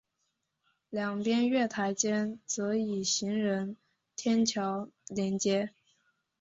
两边月台间则以行人天桥连接。